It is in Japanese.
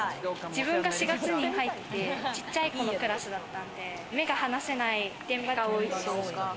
自分が４月に入って、ちっちゃい子のクラスだったんで、目が離せない現場が多いです。